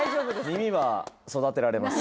耳は育てられます